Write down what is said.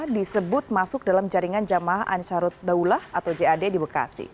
disebut masuk dalam jaringan jamaah ansarut daulah atau jad di bekasi